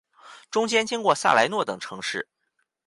中间经过萨莱诺等城市。